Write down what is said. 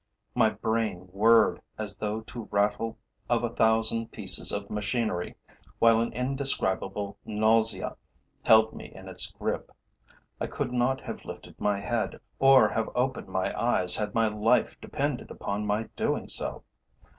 My brain whirred as though to the rattle of a thousand pieces of machinery, while an indescribable nausea held me in its grip. I could not have lifted my head, or have opened my eyes, had my life depended upon my doing so.